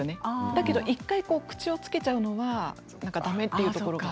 だけど１回口をつけちゃうのはだめというところが。